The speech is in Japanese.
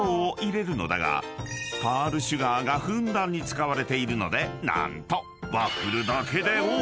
［パールシュガーがふんだんに使われているので何と］